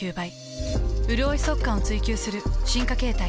うるおい速乾を追求する進化形態。